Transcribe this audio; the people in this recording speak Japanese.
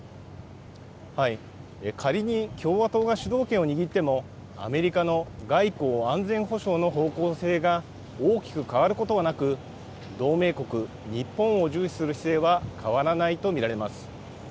仮に共和党が主導権を握っても、アメリカの外交・安全保障の方向性が大きく変わることはなく、同盟国、日本を重視する姿勢は変わらないと見られます。